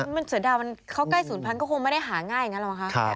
คือเสดาวมันเขาใกล้ศูนย์พันธุ์ก็คงไม่ได้หาง่ายอย่างนั้นหรือเปล่าคะ